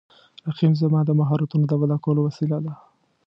رقیب زما د مهارتونو د وده کولو وسیله ده